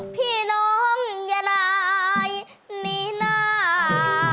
พี่น้องยนายหนีหน้า